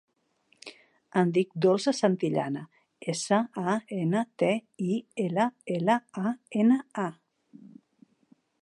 Em dic Dolça Santillana: essa, a, ena, te, i, ela, ela, a, ena, a.